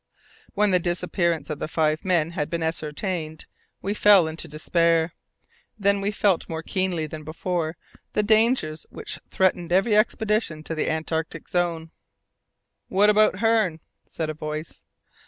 When the disappearance of the five men had been ascertained, we fell into despair. Then we felt more keenly than before the dangers which threaten every expedition to the Antarctic zone. "What about Hearne?" said a voice.